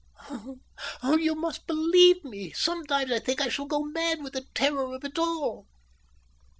Oh, you must believe me! Sometimes I think I shall go mad with the terror of it all."